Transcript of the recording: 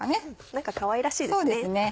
何かかわいらしいですね。